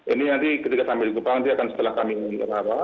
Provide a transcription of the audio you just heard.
ini nanti ketika sampai di kupang dia akan setelah kami mengundur arah